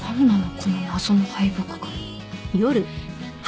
この謎の敗北感。